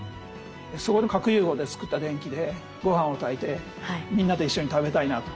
そこの核融合で作った電気でごはんを炊いてみんなで一緒に食べたいなと。